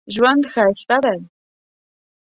ژوند ښایسته دی